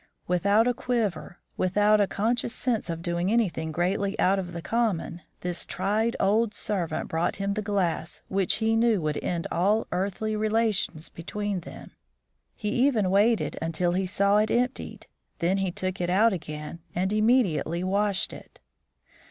Without a quiver, without a conscious sense of doing anything greatly out of the common, this tried old servant brought him the glass which he knew would end all earthly relations between them. He even waited until he saw it emptied, then he took it out again and immediately washed it.